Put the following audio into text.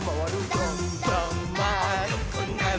「どんどんまあるくなる！」